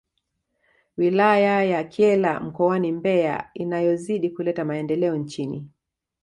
Wilaya ya Kyela mkoani Mbeya inayozidi kuleta maendeleo nchini